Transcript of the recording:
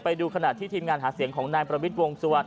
ไปดูขณะที่ทีมงานหาเสียงของนายประวิทย์วงสุวรรณ